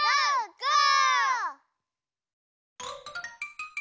ゴー！